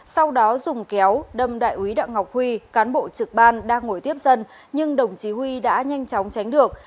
sau đó dùng kéo đâm đại úy đặng ngọc huy cán bộ trực ban đang ngồi tiếp dân nhưng đồng chí huy đã nhanh chóng tránh được